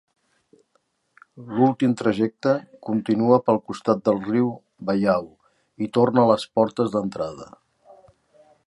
L'últim trajecte continua pel costat del riu Waiau i torna a les portes d'entrada.